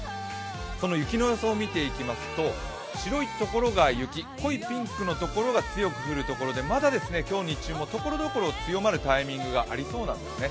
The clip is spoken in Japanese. その雪の予想を見ていきますと白い所が雪、濃いピンクの所が強く降る所でまだ今日、日中も所々強まるタイミングがありそうなんですね。